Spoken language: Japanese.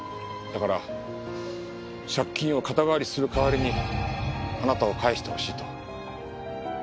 だから借金を肩代わりする代わりにあなたを返してほしいと。